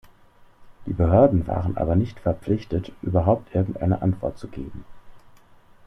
Die Behörden waren aber nicht verpflichtet, überhaupt irgendeine Antwort zu geben.